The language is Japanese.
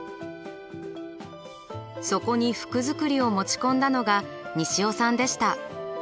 そこに服づくりを持ち込んだのが西尾さんでした。